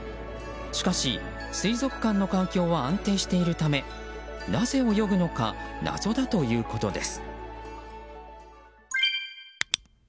しかし、水族館の環境は安定しているためなぜ泳ぐのか謎だということです。